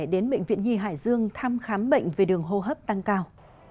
đến bệnh viện nhi hải dương thăm khám bệnh về đường hô hấp tăng cao